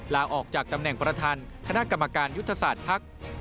ลาออกจากตำแหน่งประธานคณะกรรมการยุทธศาสตร์ภักดิ์